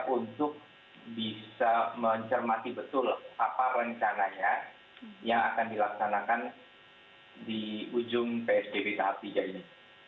untuk bisa mencermati betul apa rencananya yang akan dilaksanakan di ujung psbb tahap tiga ini